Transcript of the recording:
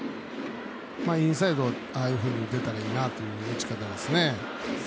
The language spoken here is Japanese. インサイドああいうふうに打てたらいいなという打ち方ですね。